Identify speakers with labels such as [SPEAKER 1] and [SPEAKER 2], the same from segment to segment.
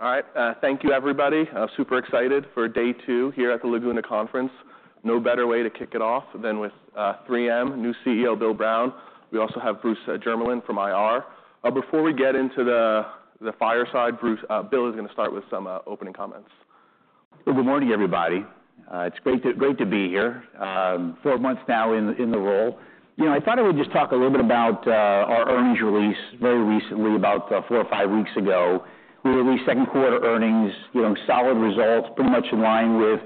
[SPEAKER 1] All right, thank you, everybody. I'm super excited for day two here at the Laguna Conference. No better way to kick it off than with 3M, new CEO, Bill Brown. We also have Bruce Jermeland from IR. Before we get into the fireside, Bruce, Bill is gonna start with some opening comments.
[SPEAKER 2] Good morning, everybody. It's great to be here. Four months now in the role. You know, I thought I would just talk a little bit about our earnings release very recently, about four or five weeks ago. We released second quarter earnings, you know, solid results, pretty much in line with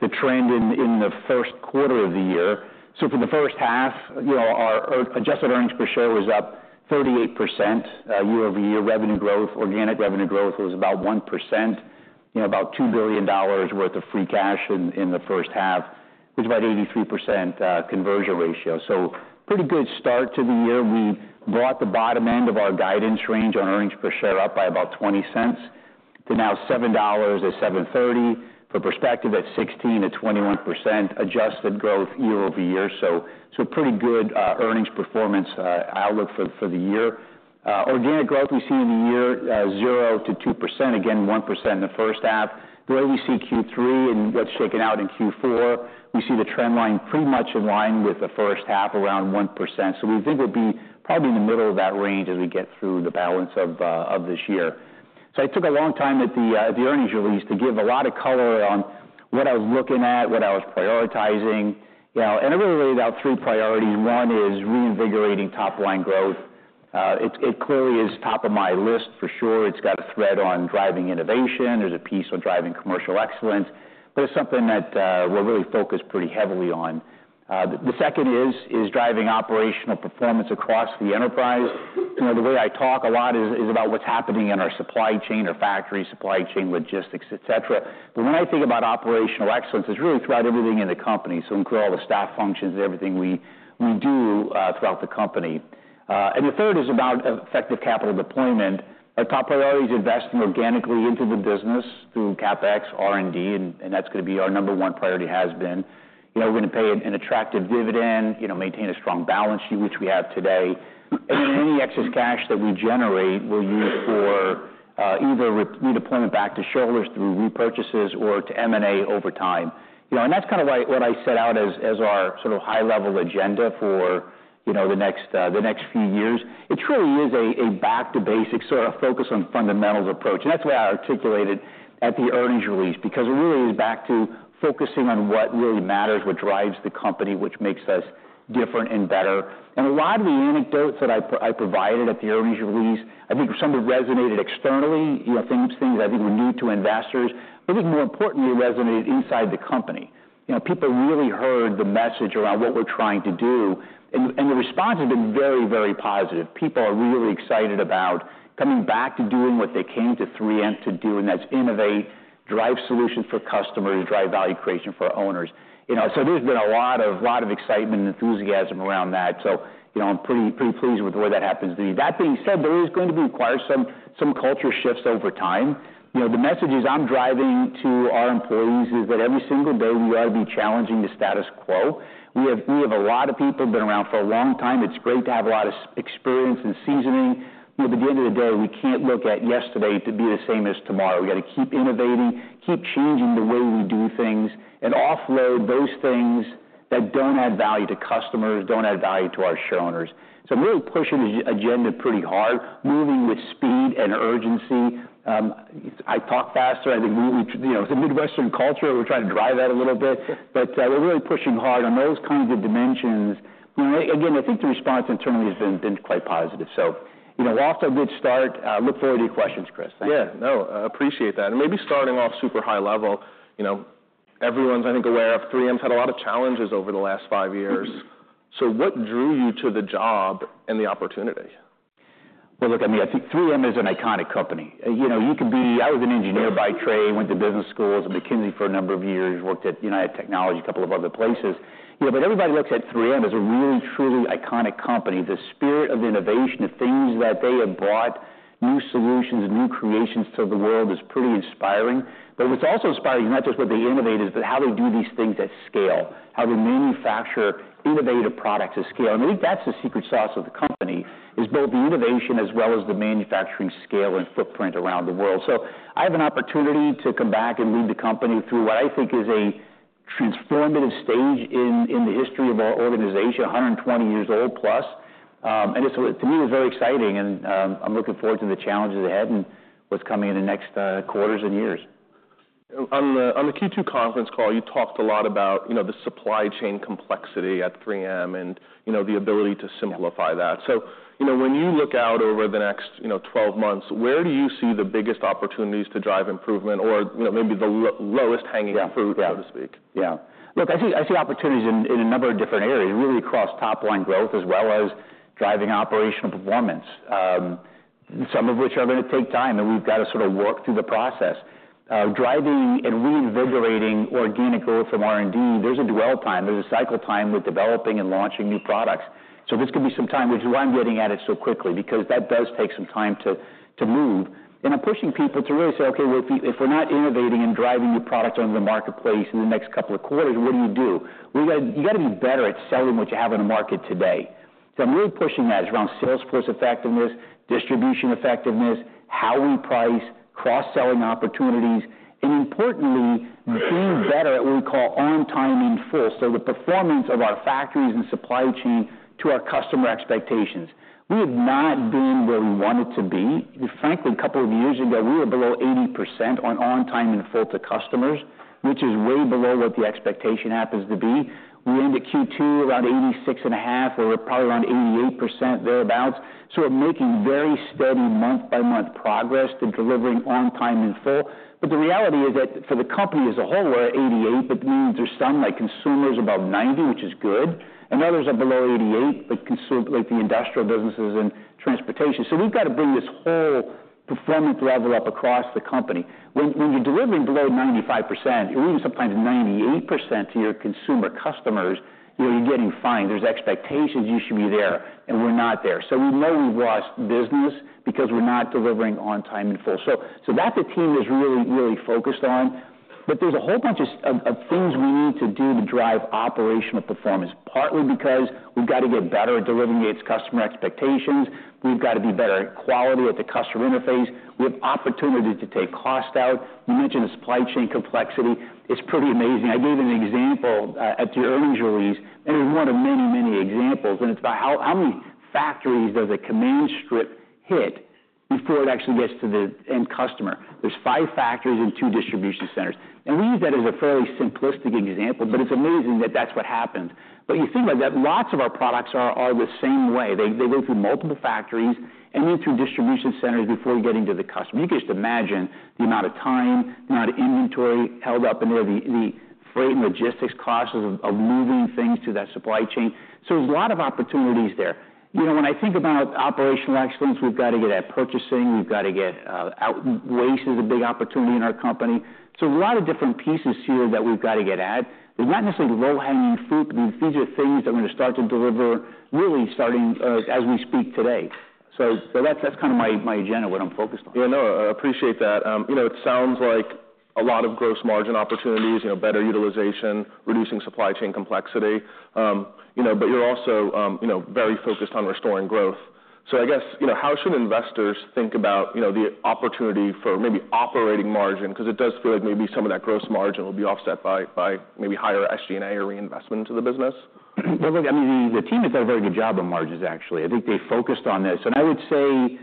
[SPEAKER 2] the trend in the first quarter of the year. So for the first half, you know, our adjusted earnings per share was up 38%. Year-over-year revenue growth, organic revenue growth, was about 1%. You know, about $2 billion worth of free cash in the first half. It was about 83% conversion ratio, so pretty good start to the year. We brought the bottom end of our guidance range on earnings per share up by about $0.20 to now $7.00-$7.30. For perspective, that's 16%-21% adjusted growth year over year, so pretty good earnings performance outlook for the year. Organic growth we see in the year, 0%-2%. Again, 1% in the first half. The way we see Q3 and that's shaken out in Q4, we see the trend line pretty much in line with the first half, around 1%. So we think we'll be probably in the middle of that range as we get through the balance of this year. So I took a long time at the, at the earnings release to give a lot of color on what I was looking at, what I was prioritizing, you know, and it really was about three priorities. One is reinvigorating top-line growth. It clearly is top of my list for sure. It's got a thread on driving innovation. There's a piece on driving commercial excellence, but it's something that, we're really focused pretty heavily on. The second is driving operational performance across the enterprise. You know, the way I talk a lot is about what's happening in our supply chain, our factory supply chain, logistics, et cetera. But when I think about operational excellence, it's really throughout everything in the company, so we include all the staff functions and everything we do throughout the company. and the third is about effective capital deployment. Our top priority is investing organically into the business through CapEx, R&D, and that's gonna be our number one priority, has been. You know, we're gonna pay an attractive dividend, you know, maintain a strong balance sheet, which we have today. And then any excess cash that we generate, we'll use for, either redeployment back to shareholders through repurchases or to M&A over time. You know, and that's kind of why what I set out as our sort of high-level agenda for, you know, the next few years. It truly is a back to basics, sort of focus on fundamentals approach, and that's the way I articulated at the earnings release, because it really is back to focusing on what really matters, what drives the company, which makes us different and better. A lot of the anecdotes that I provided at the earnings release, I think some of it resonated externally, you know, things I think were new to investors, but I think more importantly, resonated inside the company. You know, people really heard the message around what we're trying to do, and the response has been very, very positive. People are really excited about coming back to doing what they came to 3M to do, and that's innovate, drive solutions for customers, drive value creation for owners. You know, so there's been a lot of excitement and enthusiasm around that. So, you know, I'm pretty pleased with the way that happens to be. That being said, there is going to require some culture shifts over time. You know, the messages I'm driving to our employees is that every single day, we ought to be challenging the status quo. We have a lot of people been around for a long time. It's great to have a lot of experience and seasoning. But at the end of the day, we can't look at yesterday to be the same as tomorrow. We got to keep innovating, keep changing the way we do things, and offload those things that don't add value to customers, don't add value to our shareowners. So I'm really pushing the agenda pretty hard, moving with speed and urgency. I talk faster. I think we, you know, it's a Midwestern culture. We're trying to drive that a little bit, but, we're really pushing hard on those kinds of dimensions. You know, again, I think the response internally has been quite positive. So, you know, we're off to a good start. I look forward to your questions, Chris. Thank you.
[SPEAKER 1] Yeah. No, I appreciate that. And maybe starting off super high level, you know, everyone's, I think, aware of 3M's had a lot of challenges over the last five years. So what drew you to the job and the opportunity?
[SPEAKER 2] Look, I mean, I think 3M is an iconic company. You know, I was an engineer by trade, went to business school, I was at McKinsey for a number of years, worked at United Technologies, a couple of other places. You know, but everybody looks at 3M as a really, truly iconic company. The spirit of innovation, the things that they have brought, new solutions and new creations to the world is pretty inspiring, but what's also inspiring, not just what they innovate, is but how they do these things at scale, how they manufacture innovative products at scale, and I think that's the secret sauce of the company, is both the innovation as well as the manufacturing scale and footprint around the world. So I have an opportunity to come back and lead the company through what I think is a transformative stage in the history of our organization, a hundred and twenty years old, plus. And it's, to me, it was very exciting, and I'm looking forward to the challenges ahead and what's coming in the next quarters and years.
[SPEAKER 1] On the Q2 conference call, you talked a lot about, you know, the supply chain complexity at 3M and, you know, the ability to simplify that.
[SPEAKER 2] Yeah.
[SPEAKER 1] So, you know, when you look out over the next, you know, 12 months, where do you see the biggest opportunities to drive improvement or, you know, maybe the lowest hanging fruit?
[SPEAKER 2] Yeah
[SPEAKER 1] -so to speak?
[SPEAKER 2] Yeah. Look, I see, I see opportunities in a number of different areas, really across top-line growth as well as driving operational performance, some of which are gonna take time, and we've got to sort of work through the process. Driving and reinvigorating organic growth from R&D, there's a dwell time. There's a cycle time with developing and launching new products, so this could be some time, which I'm getting at it so quickly because that does take some time to move, and I'm pushing people to really say, "Okay, well, if we're not innovating and driving new product into the marketplace in the next couple of quarters, what do you do? Well, you gotta be better at selling what you have in the market today, so I'm really pushing that." It's around salesforce effectiveness, distribution effectiveness... how we price, cross-selling opportunities, and importantly, doing better at what we call on time in full. So the performance of our factories and supply chain to our customer expectations. We have not been where we wanted to be. Frankly, a couple of years ago, we were below 80% on time in full to customers, which is way below what the expectation happens to be. We ended Q2 around 86.5%, or probably around 88%, thereabout. So we're making very steady month-by-month progress to delivering on time in full. But the reality is that for the company as a whole, we're at 88%, but that means there's some, like consumers, above 90%, which is good, and others are below 88%, but like the industrial businesses and transportation. So we've got to bring this whole performance level up across the company. When, when you're delivering below 95%, or even sometimes 98% to your consumer customers, you know, you're getting fined. There's expectations you should be there, and we're not there. So we know we've lost business because we're not delivering on time in full. So that the team is really, really focused on. But there's a whole bunch of things we need to do to drive operational performance, partly because we've got to get better at delivering against customer expectations. We've got to be better at quality at the customer interface. We have opportunity to take cost out. You mentioned the supply chain complexity. It's pretty amazing. I gave an example at the earnings release, and it's one of many, many examples, and it's about how many factories does a Command strip hit before it actually gets to the end customer? There's five factories and two distribution centers, and we use that as a fairly simplistic example, but it's amazing that that's what happened. But you think about that. Lots of our products are the same way. They go through multiple factories and then through distribution centers before getting to the customer. You can just imagine the amount of time, amount of inventory held up in there, the freight and logistics costs of moving things through that supply chain. So there's a lot of opportunities there. You know, when I think about operational excellence, we've got to get at purchasing. We've got to get outsourcing is a big opportunity in our company. So a lot of different pieces here that we've got to get at. They're not necessarily low-hanging fruit, but these are things that are going to start to deliver, really starting, as we speak today. So, that's kind of my agenda, what I'm focused on.
[SPEAKER 1] Yeah, no, I appreciate that. You know, it sounds like a lot of gross margin opportunities, you know, better utilization, reducing supply chain complexity. You know, but you're also, you know, very focused on restoring growth. So I guess, you know, how should investors think about, you know, the opportunity for maybe operating margin? Because it does feel like maybe some of that gross margin will be offset by maybe higher SG&A or reinvestment into the business.
[SPEAKER 2] Look, I mean, the team has done a very good job on margins, actually. I think they focused on this, and I would say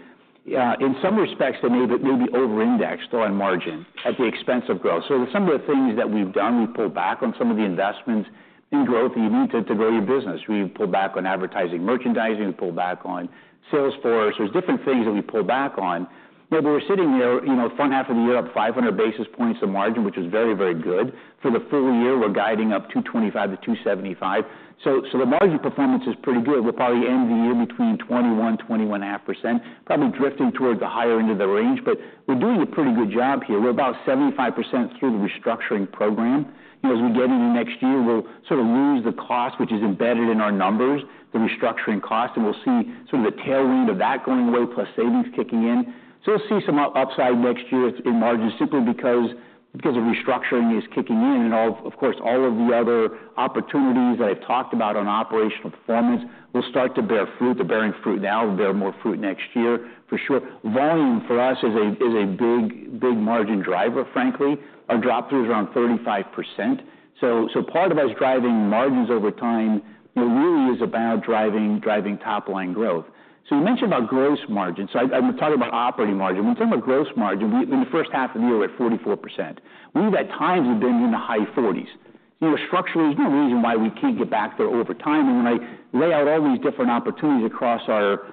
[SPEAKER 2] in some respects, they may be over indexed on margin at the expense of growth. So some of the things that we've done, we've pulled back on some of the investments in growth that you need to grow your business. We've pulled back on advertising, merchandising, we pulled back on sales force. There's different things that we pulled back on, but we're sitting there, you know, front half of the year, up five hundred basis points of margin, which is very, very good. For the full year, we're guiding up two twenty-five to two seventy-five. So the margin performance is pretty good. We'll probably end the year between 21%-21.5%, probably drifting towards the higher end of the range, but we're doing a pretty good job here. We're about 75% through the restructuring program. You know, as we get into next year, we'll sort of lose the cost, which is embedded in our numbers, the restructuring cost, and we'll see sort of the tail end of that going away, plus savings kicking in. So we'll see some upside next year in margins, simply because the restructuring is kicking in and all. Of course, all of the other opportunities that I've talked about on operational performance will start to bear fruit. They're bearing fruit now, will bear more fruit next year, for sure. Volume for us is a big, big margin driver, frankly. Our drop-through is around 35%. So part of us driving margins over time, you know, really is about driving top-line growth. So you mentioned about gross margins. I'm talking about operating margin. When we talk about gross margin, we in the first half of the year, we're at 44%. We at times have been in the high 40s. You know, structurally, there's no reason why we can't get back there over time, and when I lay out all these different opportunities across our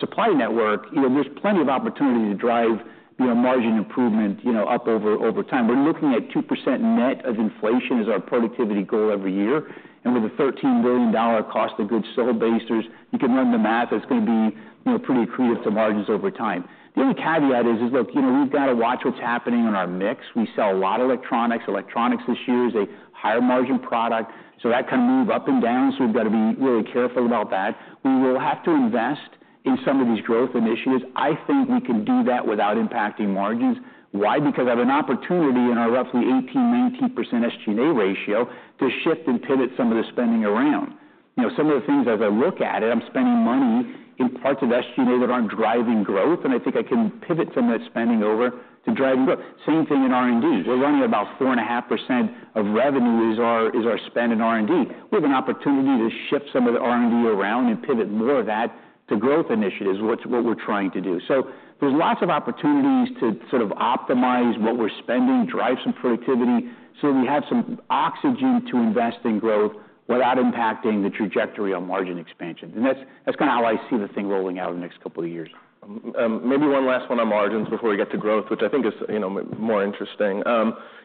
[SPEAKER 2] supply network, you know, there's plenty of opportunity to drive, you know, margin improvement, you know, up over time. We're looking at 2% net of inflation as our productivity goal every year, and with a $13 billion cost of goods sold base, you can run the math. It's going to be, you know, pretty accretive to margins over time. The only caveat is, look, you know, we've got to watch what's happening on our mix. We sell a lot of electronics. Electronics this year is a higher margin product, so that can move up and down, so we've got to be really careful about that. We will have to invest in some of these growth initiatives. I think we can do that without impacting margins. Why? Because I have an opportunity in our roughly 18-19% SG&A ratio to shift and pivot some of the spending around. You know, some of the things as I look at it, I'm spending money in parts of SG&A that aren't driving growth, and I think I can pivot some of that spending over to driving growth. Same thing in R&D. There's only about 4.5% of revenue is our spend in R&D. We have an opportunity to shift some of the R&D around and pivot more of that to growth initiatives, which is what we're trying to do. So there's lots of opportunities to sort of optimize what we're spending, drive some productivity, so we have some oxygen to invest in growth without impacting the trajectory on margin expansion, and that's, that's kind of how I see the thing rolling out in the next couple of years.
[SPEAKER 1] Maybe one last one on margins before we get to growth, which I think is, you know, more interesting. You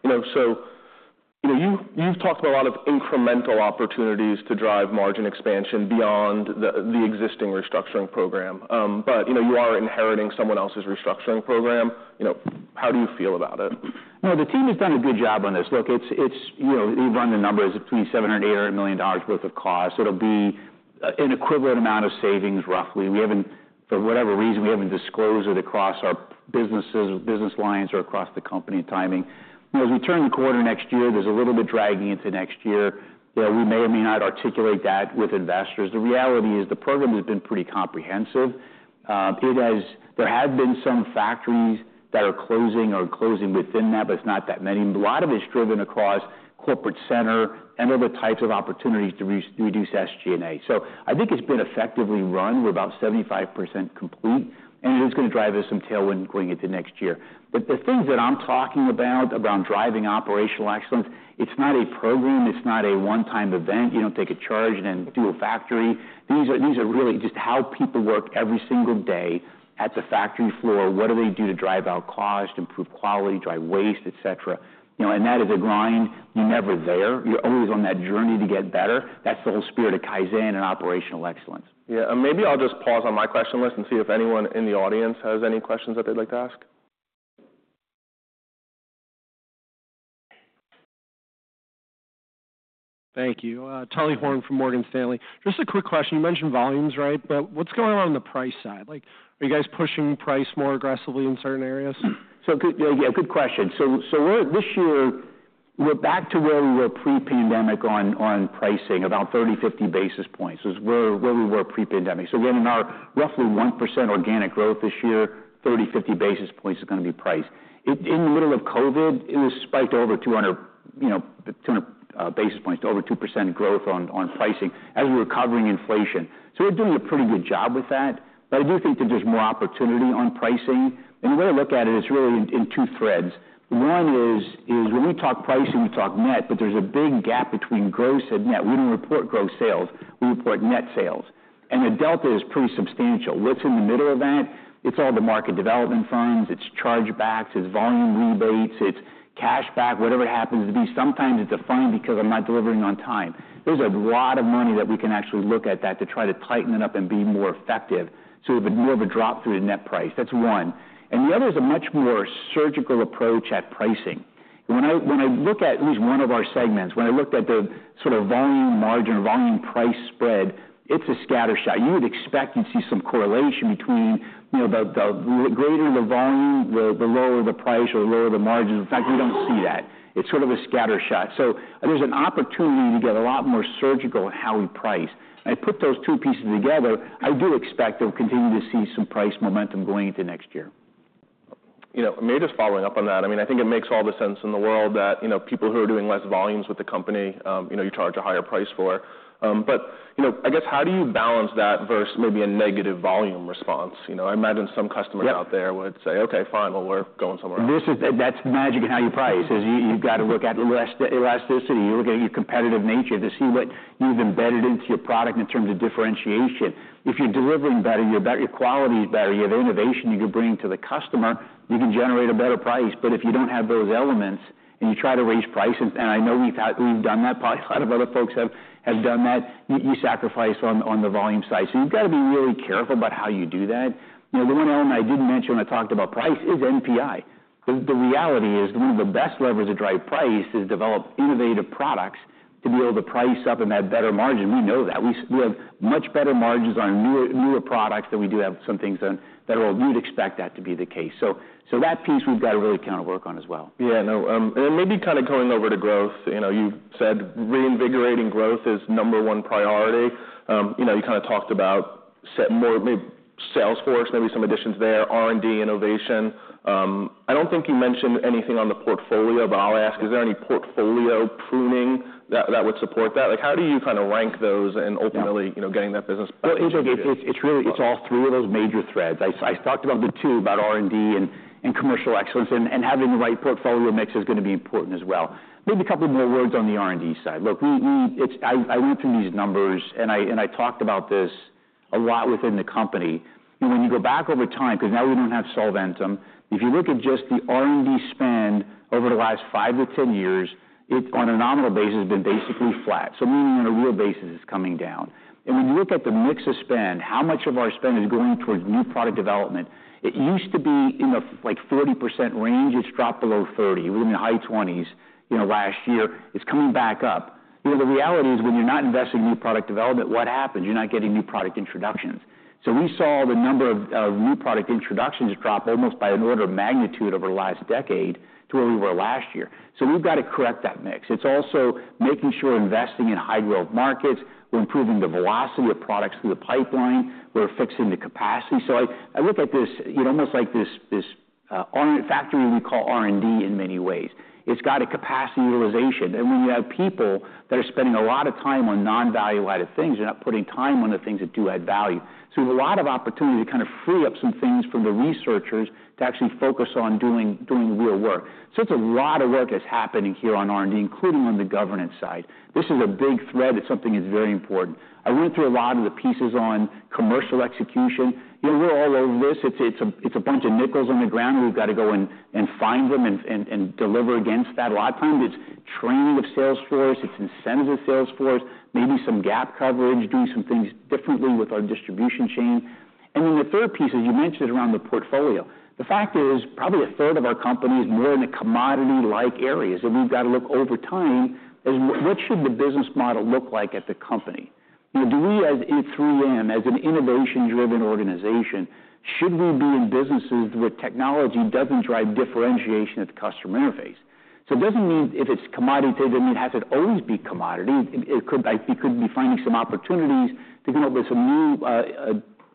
[SPEAKER 1] know, so, you know, you've talked about a lot of incremental opportunities to drive margin expansion beyond the existing restructuring program. But, you know, you are inheriting someone else's restructuring program. You know, how do you feel about it?
[SPEAKER 2] No, the team has done a good job on this. Look, it's, you know, you run the numbers between $700 million and $800 million worth of cost, so it'll be an equivalent amount of savings, roughly. We haven't, for whatever reason, disclosed it across our businesses, business lines or across the company timing. You know, as we turn the corner next year, there's a little bit dragging into next year, where we may or may not articulate that with investors. The reality is, the program has been pretty comprehensive... It has, there have been some factories that are closing within that, but it's not that many, and a lot of it's driven across corporate center and other types of opportunities to reduce SG&A. So I think it's been effectively run. We're about 75% complete, and it's gonna drive us some tailwind going into next year. But the things that I'm talking about, around driving operational excellence, it's not a program. It's not a one-time event. You don't take a charge and then do a factory. These are, these are really just how people work every single day. At the factory floor, what do they do to drive down cost, improve quality, drive waste, et cetera? You know, and that is a grind. You're never there. You're always on that journey to get better. That's the whole spirit of Kaizen and operational excellence.
[SPEAKER 1] Yeah, and maybe I'll just pause on my question list and see if anyone in the audience has any questions that they'd like to ask.
[SPEAKER 3] Thank you. Talley Horne from Morgan Stanley. Just a quick question. You mentioned volumes, right? But what's going on on the price side? Like, are you guys pushing price more aggressively in certain areas?
[SPEAKER 2] Good, yeah, good question. This year, we're back to where we were pre-pandemic on pricing, about 30-50 basis points. It's where we were pre-pandemic. So again, in our roughly 1% organic growth this year, 30-50 basis points is gonna be price. In the middle of COVID, it spiked over 200, you know, basis points to over 2% growth on pricing as we were covering inflation. So we're doing a pretty good job with that. But I do think that there's more opportunity on pricing, and the way to look at it is really in two threads. One is when we talk pricing, we talk net, but there's a big gap between gross and net. We don't report gross sales, we report net sales, and the delta is pretty substantial. What's in the middle of that? It's all the market development funds, it's chargebacks, it's volume rebates, it's cash back, whatever it happens to be. Sometimes it's a fine because I'm not delivering on time. There's a lot of money that we can actually look at that to try to tighten it up and be more effective, so we have more of a drop through the net price. That's one. And the other is a much more surgical approach at pricing. When I look at least one of our segments, when I looked at the sort of volume margin, volume price spread, it's a scatter shot. You would expect to see some correlation between, you know, the greater the volume, the lower the price or the lower the margins. In fact, we don't see that. It's sort of a scatter shot. So there's an opportunity to get a lot more surgical in how we price. I put those two pieces together, I do expect we'll continue to see some price momentum going into next year.
[SPEAKER 1] You know, maybe just following up on that, I mean, I think it makes all the sense in the world that, you know, people who are doing less volumes with the company, you know, you charge a higher price for. But, you know, I guess, how do you balance that versus maybe a negative volume response? You know, I imagine some customers-
[SPEAKER 2] Yep.
[SPEAKER 1] out there would say, "Okay, fine, well, we're going somewhere else.
[SPEAKER 2] That's the magic of how you price, is you, you've got to look at elasticity. You look at your competitive nature to see what you've embedded into your product in terms of differentiation. If you're delivering better, you're better, your quality is better, you have innovation you can bring to the customer, you can generate a better price. But if you don't have those elements and you try to raise prices, and I know we've had, we've done that, probably a lot of other folks have done that, you sacrifice on the volume side. So you've got to be really careful about how you do that. You know, the one element I didn't mention when I talked about price is NPI. The reality is, one of the best levers to drive price is develop innovative products to be able to price up and have better margin. We know that. We have much better margins on newer products than we do have some things on that are... We'd expect that to be the case. So that piece we've got to really kind of work on as well.
[SPEAKER 1] Yeah, I know. And then maybe kind of going over to growth, you know, you said reinvigorating growth is number one priority. You know, you kind of talked about set more, maybe sales force, maybe some additions there, R&D, innovation. I don't think you mentioned anything on the portfolio, but I'll ask, is there any portfolio pruning that would support that? Like, how do you kind of rank those and ultimately-
[SPEAKER 2] Yeah
[SPEAKER 1] you know, getting that business back?
[SPEAKER 2] Well, it's really all three of those major threads. I talked about the two, about R&D and commercial excellence, and having the right portfolio mix is gonna be important as well. Maybe a couple more words on the R&D side. Look, we. It's, I went through these numbers, and I talked about this a lot within the company. When you go back over time, because now we don't have Solventum, if you look at just the R&D spend over the last five to 10 years, on a nominal basis, it has been basically flat, so meaning on a real basis, it's coming down. And when you look at the mix of spend, how much of our spend is going towards new product development, it used to be in the like 40% range. It's dropped below 30%. We're in the high twenties, you know, last year. It's coming back up. You know, the reality is, when you're not investing in new product development, what happens? You're not getting new product introductions. So we saw the number of new product introductions drop almost by an order of magnitude over the last decade to where we were last year. So we've got to correct that mix. It's also making sure we're investing in high-growth markets. We're improving the velocity of products through the pipeline. We're fixing the capacity. So I look at this, you know, almost like this R&D factory we call R&D in many ways. It's got a capacity utilization, and when you have people that are spending a lot of time on non-value-added things, they're not putting time on the things that do add value. So we have a lot of opportunity to kind of free up some things from the researchers to actually focus on doing real work. So it's a lot of work that's happening here on R&D, including on the governance side. This is a big thread. It's something that's very important. I went through a lot of the pieces on commercial execution. You know, we're all over this. It's a bunch of nickels on the ground, and we've got to go and find them and deliver against that. A lot of times it's training of sales force, it's incentives of sales force, maybe some gap coverage, doing some things differently with our distribution chain. And then the third piece, as you mentioned, around the portfolio. The fact is, probably a third of our company is more in the commodity-like areas, and we've got to look over time at what should the business model look like at the company? You know, do we, as 3M, as an innovation-driven organization, should we be in businesses where technology doesn't drive differentiation at the customer interface? So it doesn't mean if it's commodity, then it has to always be commodity. It could we could be finding some opportunities to come up with some new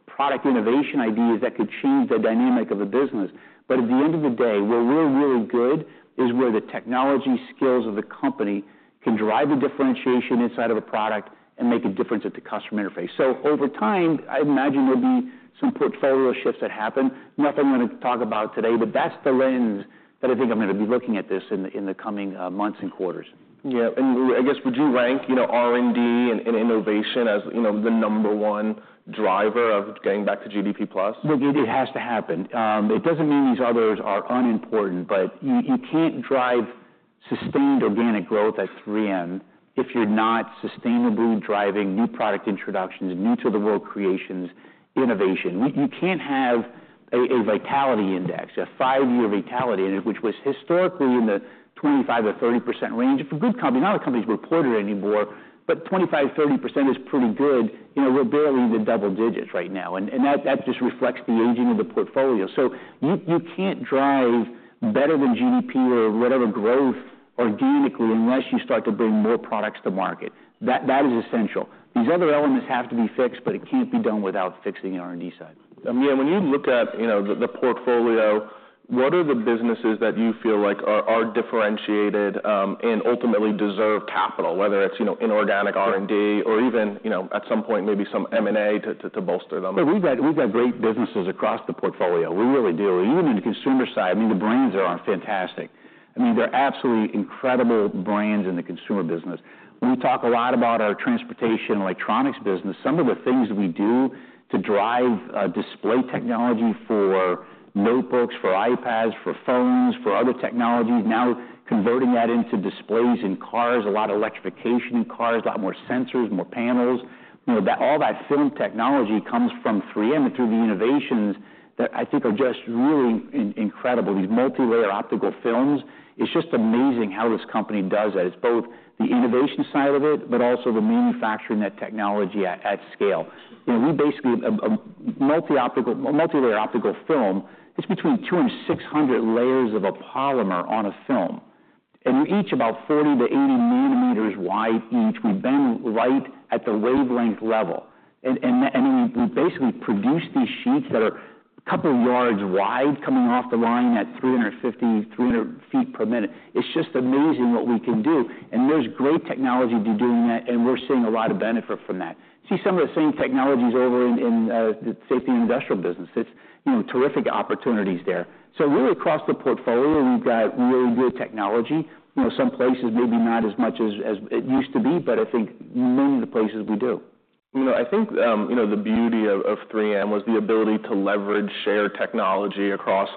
[SPEAKER 2] product innovation ideas that could change the dynamic of the business. But at the end of the day, where we're really good is where the technology skills of the company can drive the differentiation inside of a product and make a difference at the customer interface. So over time, I imagine there'll be some portfolio shifts that happen. Nothing I'm gonna talk about today, but that's the lens that I think I'm gonna be looking at this in the coming months and quarters.
[SPEAKER 1] Yeah, and I guess, would you rank, you know, R&D and innovation as, you know, the number one driver of getting back to GDP plus?
[SPEAKER 2] It has to happen. It doesn't mean these others are unimportant, but you can't drive sustained organic growth at 3M if you're not sustainably driving new product introductions, new-to-the-world creations, innovation. You can't have a vitality index, a five-year vitality index, which was historically in the 25% or 30% range. It's a good company, not a company that's reported anymore, but 25%-30% is pretty good. You know, we're barely in the double digits right now, and that just reflects the aging of the portfolio. So you can't drive better than GDP or whatever growth organically, unless you start to bring more products to market. That is essential. These other elements have to be fixed, but it can't be done without fixing the R&D side.
[SPEAKER 1] I mean, when you look at, you know, the portfolio, what are the businesses that you feel like are differentiated, and ultimately deserve capital, whether it's, you know, inorganic R&D or even, you know, at some point, maybe some M&A to bolster them?
[SPEAKER 2] We've got, we've got great businesses across the portfolio. We really do. Even in the consumer side, I mean, the brands are fantastic. I mean, they're absolutely incredible brands in the consumer business. When we talk a lot about our transportation electronics business, some of the things we do to drive, display technology for notebooks, for iPads, for phones, for other technologies, now converting that into displays in cars, a lot of electrification in cars, a lot more sensors, more panels, you know, that all that film technology comes from 3M and through the innovations that I think are just really incredible. These multilayer optical films, it's just amazing how this company does that. It's both the innovation side of it, but also the manufacturing that technology at scale. You know, we basically multilayer optical film, it's between 2 and 600 layers of a polymer on a film, and each about 40 to 80 millimeters wide. We bend right at the wavelength level, and we basically produce these sheets that are a couple of yards wide coming off the line at 350 feet per minute. It's just amazing what we can do, and there's great technology to doing that, and we're seeing a lot of benefit from that. We see some of the same technologies over in the safety and industrial business. It's, you know, terrific opportunities there. So really across the portfolio, we've got really good technology. You know, some places, maybe not as much as it used to be, but I think many of the places we do.
[SPEAKER 1] You know, I think, you know, the beauty of 3M was the ability to leverage shared technology across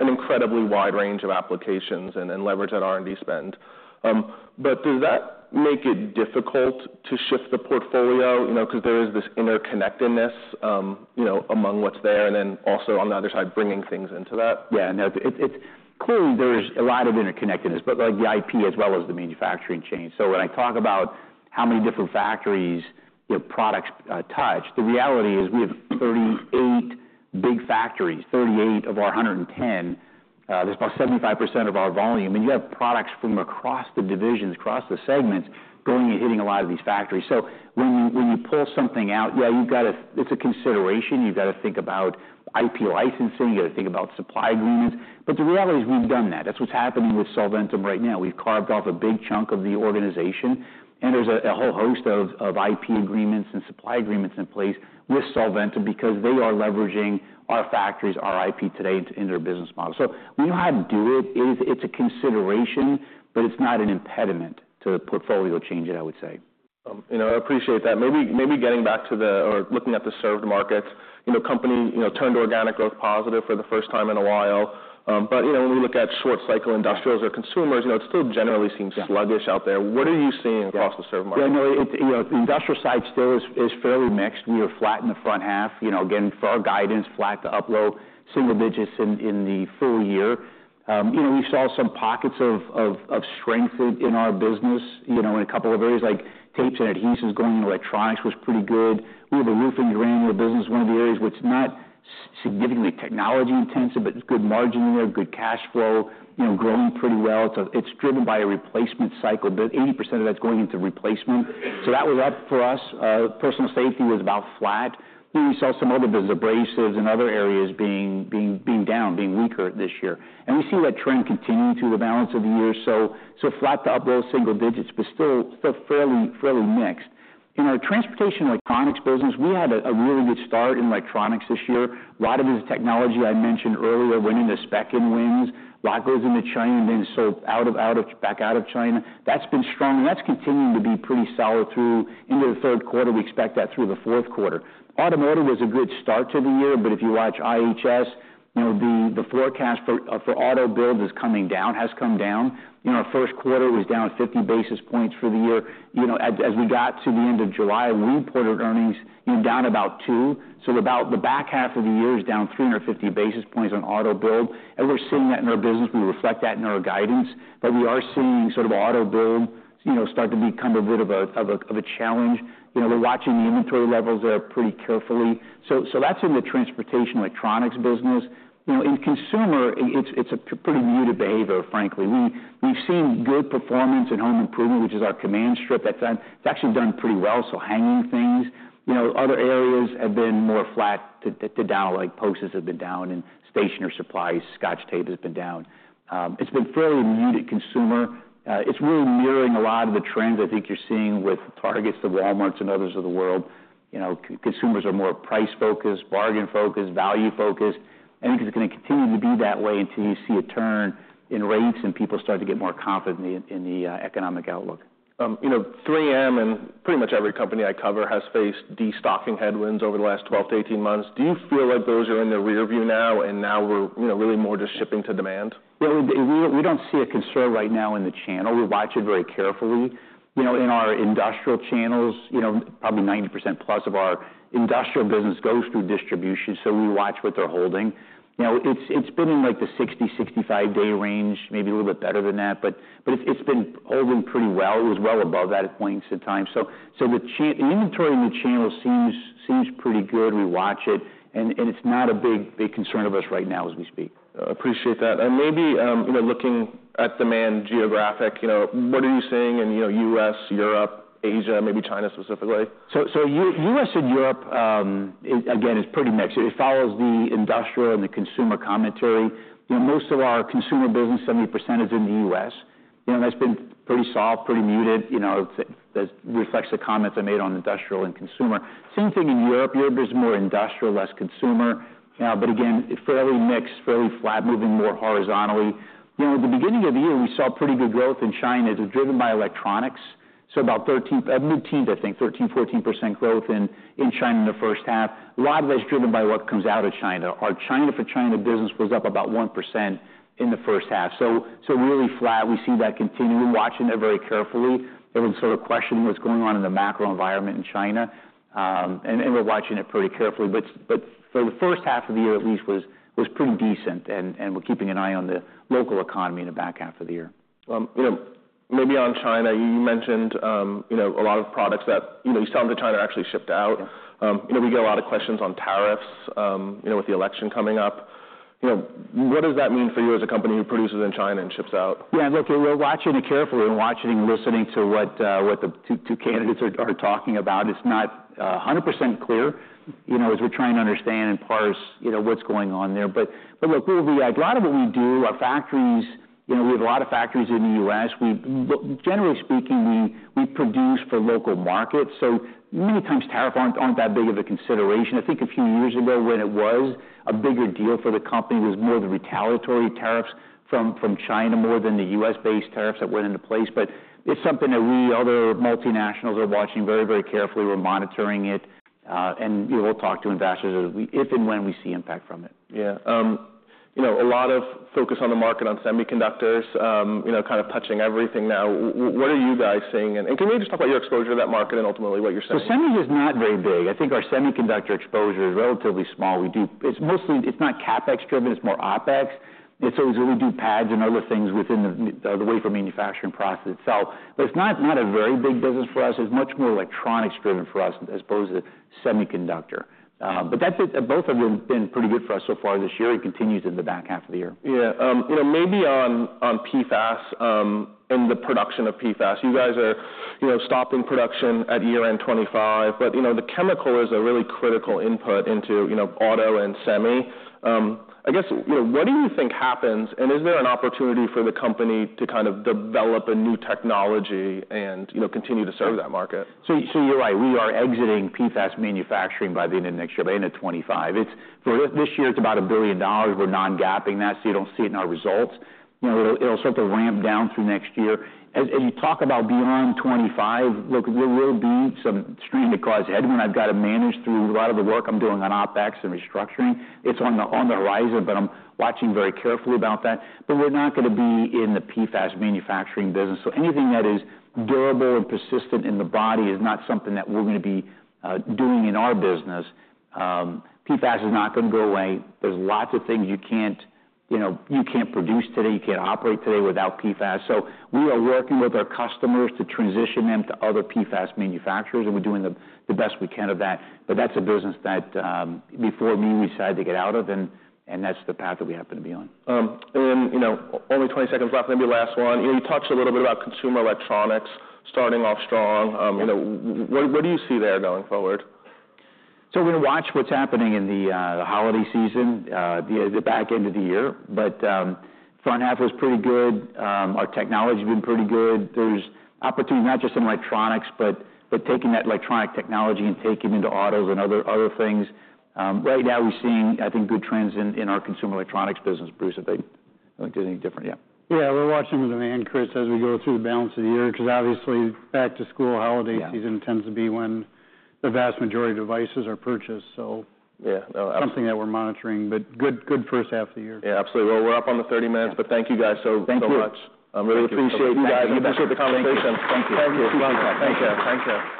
[SPEAKER 1] an incredibly wide range of applications and then leverage that R&D spend. But does that make it difficult to shift the portfolio? You know, because there is this interconnectedness, you know, among what's there, and then also on the other side, bringing things into that.
[SPEAKER 2] Yeah, no, it's... Clearly, there's a lot of interconnectedness, but like the IP as well as the manufacturing chain. So when I talk about how many different factories the products touch, the reality is we have 38 big factories, 38 of our 110. That's about 75% of our volume, and you have products from across the divisions, across the segments, going and hitting a lot of these factories. So when you pull something out, yeah, you've got to. It's a consideration. You've got to think about IP licensing, you gotta think about supply agreements, but the reality is we've done that. That's what's happening with Solventum right now. We've carved off a big chunk of the organization, and there's a whole host of IP agreements and supply agreements in place with Solventum because they are leveraging our factories, our IP today, in their business model. So we know how to do it. It is, it's a consideration, but it's not an impediment to portfolio changing, I would say.
[SPEAKER 1] You know, I appreciate that. Maybe, maybe getting back to the or looking at the served markets, you know, company, you know, turned organic growth positive for the first time in a while. But, you know, when we look at short cycle industrials-
[SPEAKER 2] Yeah
[SPEAKER 1] or consumers, you know, it still generally seems.
[SPEAKER 2] Yeah
[SPEAKER 1] sluggish out there. What are you seeing?
[SPEAKER 2] Yeah
[SPEAKER 1] across the served market?
[SPEAKER 2] Yeah, no, you know, the industrial side still is fairly mixed. We are flat in the front half. You know, again, for our guidance, flat to up low single digits in the full year. You know, we saw some pockets of strength in our business, you know, in a couple of areas, like tapes and adhesives going into electronics was pretty good. We have a roofing granule business, one of the areas which is not significantly technology-intensive, but it's good margin there, good cash flow, you know, growing pretty well. It's driven by a replacement cycle, but 80% of that's going into replacement. So that was up for us. Personal safety was about flat. We saw some other business, abrasives and other areas being down, being weaker this year. We see that trend continuing through the balance of the year, so flat to up, those single digits, but still fairly mixed. In our transportation electronics business, we had a really good start in electronics this year. A lot of this technology I mentioned earlier, winning the spec and wins, a lot goes into China, and then so back out of China. That's been strong, and that's continuing to be pretty solid through into the third quarter. We expect that through the fourth quarter. Automotive was a good start to the year, but if you watch IHS, you know, the forecast for auto build is coming down, has come down. You know, our first quarter was down 50 basis points for the year. You know, as we got to the end of July, we reported earnings down about two. About the back half of the year is down three hundred and fifty basis points on auto build, and we're seeing that in our business. We reflect that in our guidance, but we are seeing sort of auto build, you know, start to become a bit of a challenge. You know, we're watching the inventory levels there pretty carefully. That's in the transportation electronics business. You know, in consumer, it's a pretty muted behavior, frankly. We've seen good performance in home improvement, which is our Command strip. That's done; it's actually done pretty well, so hanging things. You know, other areas have been more flat to down, like Post-its have been down and stationery supplies, Scotch tape has been down. It's been fairly muted consumer. It's really mirroring a lot of the trends I think you're seeing with Targets, the Walmart's, and others of the world. You know, consumers are more price-focused, bargain-focused, value-focused, and I think it's gonna continue to be that way until you see a turn in rates and people start to get more confident in the economic outlook.
[SPEAKER 1] You know, 3M, and pretty much every company I cover, has faced destocking headwinds over the last 12-18 months. Do you feel like those are in the rearview now, and now we're, you know, really more just shipping to demand?
[SPEAKER 2] Yeah, we don't see a concern right now in the channel. We watch it very carefully. You know, in our industrial channels, you know, probably 90% plus of our industrial business goes through distribution, so we watch what they're holding. You know, it's been in, like, the 60-65-day range, maybe a little bit better than that, but it's been holding pretty well. It was well above that at points in time. So the inventory in the channel seems pretty good. We watch it, and it's not a big concern of us right now as we speak.
[SPEAKER 1] Appreciate that. And maybe, you know, looking at demand geographically, you know, what are you seeing in, you know, U.S., Europe, Asia, maybe China specifically?
[SPEAKER 2] U.S. and Europe, it again, is pretty mixed. It follows the industrial and the consumer commentary. You know, most of our consumer business, 70%, is in the U.S. You know, that's been pretty soft, pretty muted. You know, it, it reflects the comments I made on industrial and consumer. Same thing in Europe. Europe is more industrial, less consumer, but again, fairly mixed, fairly flat, moving more horizontally. You know, at the beginning of the year, we saw pretty good growth in China. It was driven by electronics, so about mid-teens, I think, 13%-14% growth in China in the first half. A lot of that is driven by what comes out of China. Our China-for-China business was up about 1% in the first half, so really flat. We see that continuing, watching it very carefully. Everyone's sort of questioning what's going on in the macro environment in China, and we're watching it pretty carefully, but for the first half of the year, at least, was pretty decent, and we're keeping an eye on the local economy in the back half of the year.
[SPEAKER 1] You know, maybe on China, you mentioned, you know, a lot of products that, you know, you sell to China actually shipped out.
[SPEAKER 2] Yeah.
[SPEAKER 1] You know, we get a lot of questions on tariffs, you know, with the election coming up. You know, what does that mean for you as a company who produces in China and ships out?
[SPEAKER 2] Yeah, look, we're watching it carefully and watching and listening to what the two candidates are talking about. It's not 100% clear, you know, as we're trying to understand and parse, you know, what's going on there. But look, a lot of what we do, our factories, you know, we have a lot of factories in the U.S. Generally speaking, we produce for local markets, so many times, tariffs aren't that big of a consideration. I think a few years ago, when it was a bigger deal for the company, it was more the retaliatory tariffs from China more than the U.S.-based tariffs that went into place. But it's something that we and other multinationals are watching very, very carefully. We're monitoring it, and, you know, we'll talk to investors as we- if and when we see impact from it.
[SPEAKER 1] Yeah. You know, a lot of focus on the market, on semiconductors, you know, kind of touching everything now. What are you guys seeing? And can you just talk about your exposure to that market and ultimately what you're selling?
[SPEAKER 2] Semi is not very big. I think our semiconductor exposure is relatively small. We do. It's mostly, it's not CapEx driven, it's more OpEx. It's so we do pads and other things within the wafer manufacturing process itself. But it's not a very big business for us. It's much more electronics driven for us, as opposed to semiconductor. But that's it, both have been pretty good for us so far this year and continues in the back half of the year.
[SPEAKER 1] Yeah. You know, maybe on, on PFAS, and the production of PFAS, you guys are, you know, stopping production at year-end 2025. But, you know, the chemical is a really critical input into, you know, auto and semi. I guess, you know, what do you think happens, and is there an opportunity for the company to kind of develop a new technology and, you know, continue to serve that market?
[SPEAKER 2] So you're right, we are exiting PFAS manufacturing by the end of next year, by end of 2025. For this year, it's about $1 billion. We're non-GAAPing that, so you don't see it in our results. You know, it'll start to ramp down through next year. As you talk about beyond 2025, look, there will be some strain to cause anyone. I've got to manage through a lot of the work I'm doing on OpEx and restructuring. It's on the horizon, but I'm watching very carefully about that. But we're not gonna be in the PFAS manufacturing business, so anything that is durable and persistent in the body is not something that we're gonna be doing in our business. PFAS is not gonna go away. There's lots of things you can't, you know, you can't produce today, you can't operate today without PFAS. So we are working with our customers to transition them to other PFAS manufacturers, and we're doing the best we can of that. But that's a business that we firmly decided to get out of, and that's the path that we happen to be on.
[SPEAKER 1] And then, you know, only 20 seconds left. Maybe last one. You know, you talked a little bit about consumer electronics starting off strong.
[SPEAKER 2] Yeah.
[SPEAKER 1] You know, what do you see there going forward?
[SPEAKER 2] So we're gonna watch what's happening in the holiday season, the back end of the year. But front half was pretty good. Our technology's been pretty good. There's opportunity, not just in electronics, but taking that electronic technology and taking it into autos and other things. Right now we're seeing, I think, good trends in our consumer electronics business. Bruce, if I... Anything different? Yeah.
[SPEAKER 4] Yeah, we're watching the demand, Chris, as we go through the balance of the year, because obviously, back to school holiday-
[SPEAKER 2] Yeah...
[SPEAKER 4] season tends to be when the vast majority of devices are purchased, so-
[SPEAKER 2] Yeah, uh-
[SPEAKER 4] Something that we're monitoring, but good, good first half of the year.
[SPEAKER 1] Yeah, absolutely. Well, we're up on the thirty minutes, but thank you guys so, so much.
[SPEAKER 2] Thank you.
[SPEAKER 1] I really appreciate you guys. I appreciate the conversation.
[SPEAKER 2] Thank you.
[SPEAKER 4] Thank you. Thank you.